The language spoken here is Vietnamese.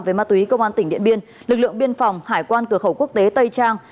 về ma túy công an tỉnh điện biên lực lượng biên phòng hải quan cửa khẩu quốc tế tây trang